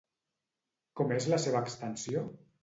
Com és la seva extensió?